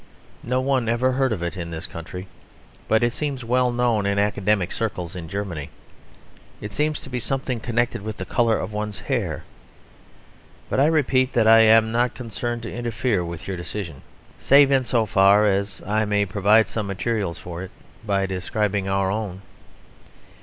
No one ever heard of it in this country; but it seems well known in academic circles in Germany. It seems to be something, connected with the colour of one's hair. But I repeat that I am not concerned to interfere with your decision, save in so far as I may provide some materials for it by describing our own.